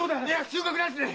収穫なしで！